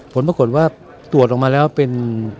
ผลปรากฏว่าตรวจออกมาแล้วเป็น